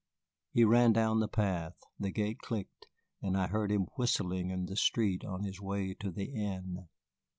He ran down the path, the gate clicked, and I heard him whistling in the street on his way to the inn.